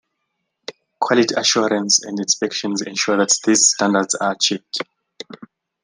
Quality assurance and inspections ensure that these standards are achieved.